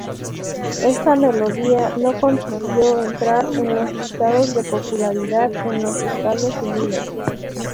Esta melodía no consiguió entrar en los listados de popularidad en los Estados Unidos.